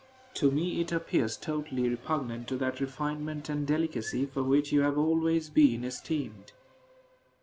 To me it appears totally repugnant to that refinement and delicacy for which you have always been esteemed.